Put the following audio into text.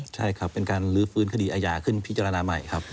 ใช่ครับเป็นการลื้อฟื้นคดีอาญาขึ้นพิจารณาใหม่ครับ